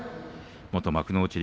元幕内力